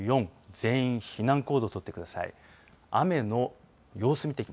全員避難行動を取ってください。